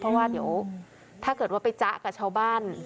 เพราะว่าเดี๋ยวถ้าเกิดว่าไปจ๊ะกับชาวบ้าน